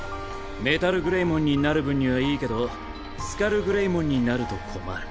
メタルグレイモンになる分にはいいけどスカルグレイモンになると困る。